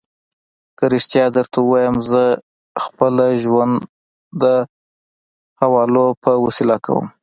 که رښتیا درته ووایم، زه خپل ژوند د حوالو په وسیله کوم.